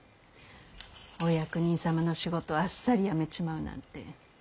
お役人様の仕事をあっさり辞めちまうなんて。